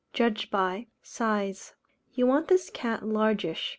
Judged by: Size you want this cat largish.